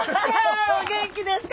お元気ですか？